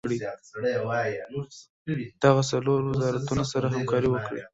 دغه څلور وزارتونه سره همکاري وکړي.